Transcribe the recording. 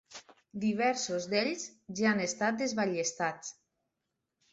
Diversos d'ells ja han estat desballestats.